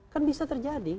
kan bisa terjadi